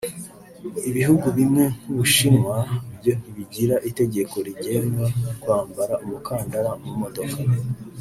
Ibihugu bimwe nk’u Bushinwa byo ntibigira itegeko rigenga kwambara umukandara mu modoka